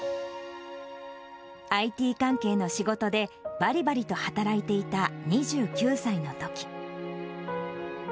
ＩＴ関係の仕事で、ばりばりと働いていた２９歳のとき。